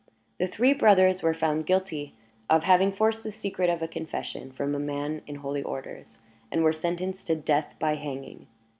The three brothers were found guilty of having forced the secret of a confession from a man in holy orders, and were sentenced to death by hanging.